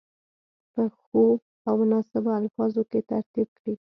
په ښو او مناسبو الفاظو کې ترتیب کړي.